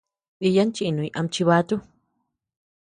Diya chinuñ ama chibatu.